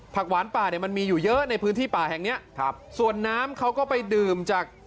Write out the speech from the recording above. ผักหวานป่าเนี่ยมันมีอยู่เยอะในพื้นที่ป่าแห่งเนี้ยครับส่วนน้ำเขาก็ไปดื่มจาก